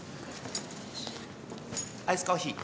アイスコーヒー。